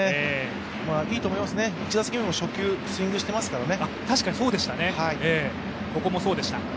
いいと思いますね、１打席目も初球スイングしてますからね。